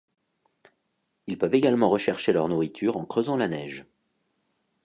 Ils peuvent également rechercher leur nourriture en creusant la neige.